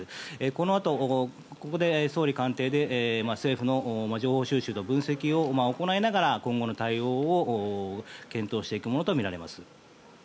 このあと、ここで総理官邸で政府の情報収集と分析を行いながら今後の対応を検討していくものとみられます。